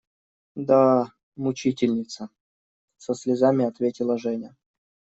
Да… мучительница! – со слезами ответила Женя.